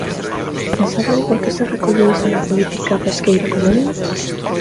¿E saben por que se recolle iso na política pesqueira común?